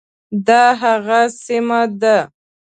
دا هغه سیمه ده.